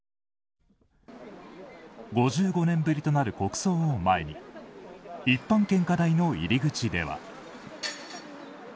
５５年ぶりとなる国葬を前に一般献花台の入り口では。